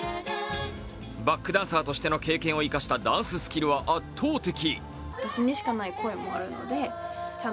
バックダンサーとしての経験を生かしたダンススキルは圧倒的。